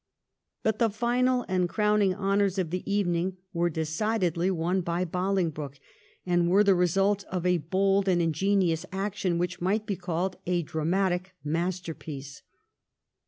But the final and crowning honours of the evening were decidedly won by Bolingbroke, and were the result of a bold and ingenious action which might be called a dramatic masterpiece.